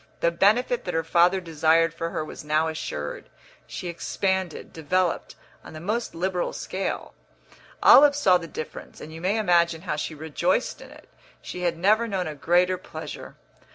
The benefit that her father desired for her was now assured; she expanded, developed, on the most liberal scale. Olive saw the difference, and you may imagine how she rejoiced in it; she had never known a greater pleasure.